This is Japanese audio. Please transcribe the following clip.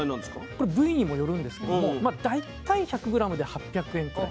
これ部位にもよるんですけども大体１００ｇで８００円くらいと。